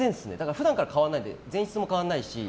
普段から変わらないで前室も変わらないし。